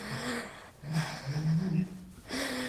愧庵琴谱中国古琴谱。